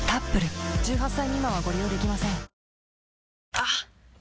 あっ！